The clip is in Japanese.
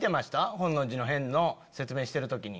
本能寺の変の説明してる時に。